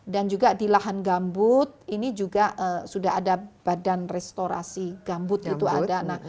dan juga di lahan gambut ini juga sudah ada badan restorasi gambut itu ada